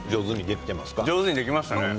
上手にできましたね。